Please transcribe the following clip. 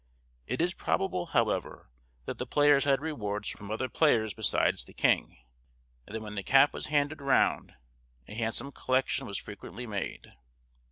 It is probable, however, that the players had rewards from other people besides the king, and that when the cap was handed round a handsome collection was frequently made.